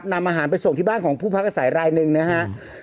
ในบ้านของผู้พักอาศัยรายนึงนะฮะ